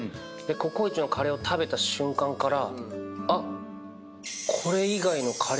ココイチのカレーを食べた瞬間から。